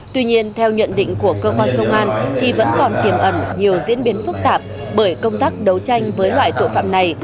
tuy nhiên theo nhận định của cơ quan công an thì vẫn còn tiềm ẩn nhiều diễn biến phức tạp bởi công tác đấu tranh với loại tội phạm này